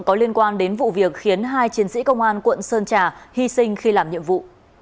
có liên quan đến vụ việc khiến hai chiến sĩ công an quận sơn trà hy sinh khi làm nhiệm vụ